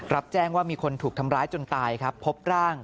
รับแจ้งว่ามีคนถูกทำร้ายจนตายครับพบร่าง